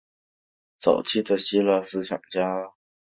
一些早期的希腊思想家将海洋神明归入原始神只。